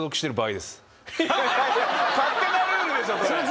勝手なルールでしょそれ。